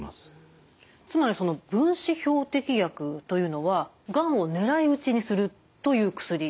つまりその分子標的薬というのはがんを狙い撃ちにするという薬。